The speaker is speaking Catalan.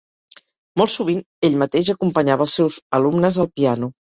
Molt sovint ell mateix acompanyava als seus alumnes al piano.